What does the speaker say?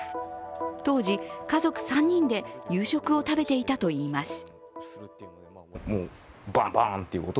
当時、家族３人で夕食を食べていたといいます。